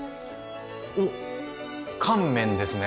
おっ乾麺ですね！